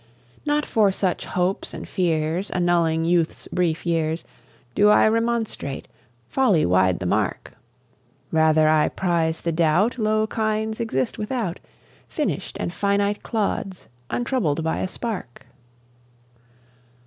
Not for such hopes and fears Annulling youth's brief years, Do I remonstrate: folly wide the mark! Rather I prize the doubt Low kinds exist without, Finish'd and finite clods, untroubled by a spark.